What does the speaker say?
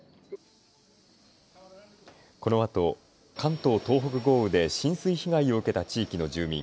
このあと関東・東北豪雨で浸水被害を受けた地域の住民